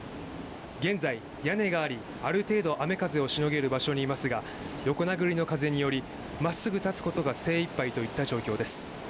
現在、屋根がありある程度雨風をしのげる場所にいますが横殴りの風によりまっすぐ立つことが精一杯といった状況です。